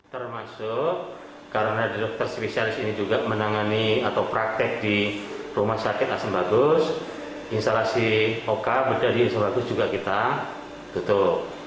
termasuk karena dokter spesialis ini juga menangani atau praktek di rumah sakit asem bagus instalasi oka medali iso bagus juga kita tutup